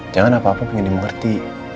jangan apa apa pengen dimengerti